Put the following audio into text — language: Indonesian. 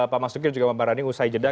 pak mas dukir juga membarani usai jeda